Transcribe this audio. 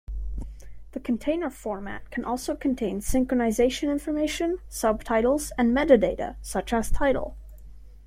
The container format can also contain synchronization information, subtitles, and metadata such as title.